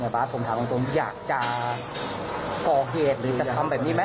บาทผมถามตรงอยากจะก่อเหตุหรือกระทำแบบนี้ไหม